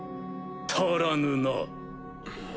足らぬな。